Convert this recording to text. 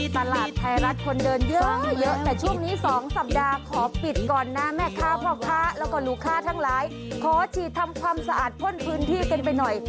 ตลาดไทยรัฐคนเดินเยอะแต่ช่วงนี้๒สัปดาห์ขอปิดก่อนนะแม่ค้าพ่อค้าแล้วก็ลูกค้าทั้งหลายขอฉีดทำความสะอาดพ่นพื้นที่กันไปหน่อย